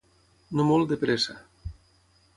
No molt de Pressa.